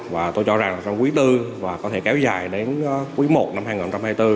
và tôi cho rằng trong quý bốn và có thể kéo dài đến quý i năm hai nghìn hai mươi bốn